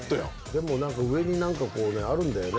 でも上に何かこうあるんだよね。